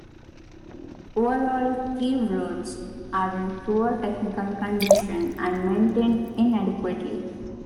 Overall, Kiev roads are in poor technical condition and maintained inadequately.